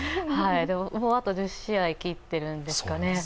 もうあと１０試合切っているんですかね。